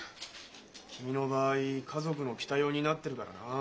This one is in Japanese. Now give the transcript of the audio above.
君の場合家族の期待を担ってるからなあ。